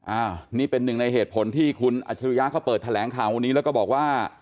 อ้าวนี่เป็นหนึ่งในเหตุผลที่คุณอัจฉริยะเขาเปิดแถลงข่าววันนี้แล้วก็บอกว่า